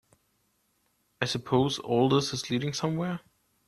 I suppose all this is leading somewhere?